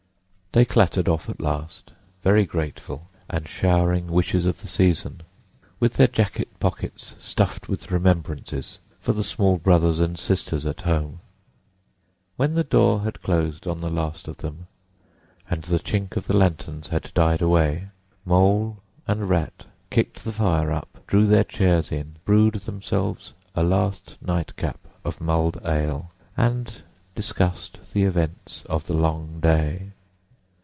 They clattered off at last, very grateful and showering wishes of the season, with their jacket pockets stuffed with remembrances for the small brothers and sisters at home. When the door had closed on the last of them and the chink of the lanterns had died away, Mole and Rat kicked the fire up, drew their chairs in, brewed themselves a last nightcap of mulled ale, and discussed the events of the long day.